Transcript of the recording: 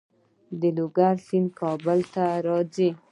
د لوګر سیند کابل ته راځي